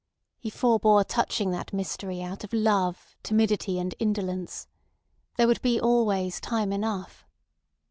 He forbore touching that mystery out of love, timidity, and indolence. There would be always time enough.